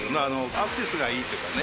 アクセスがいいというかね。